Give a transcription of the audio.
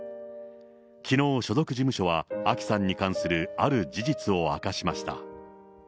きのう所属事務所はあきさんに関するある事実を明かしました。